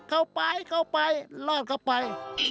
เข้าไปเข้าไปรอดเข้าไป